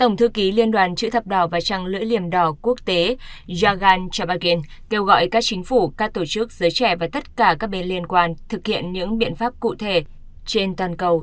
già gan chabagin kêu gọi các chính phủ các tổ chức giới trẻ và tất cả các bên liên quan thực hiện những biện pháp cụ thể trên toàn cầu